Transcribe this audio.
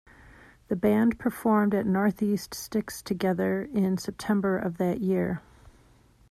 The band performed at North East Sticks Together in September of that year.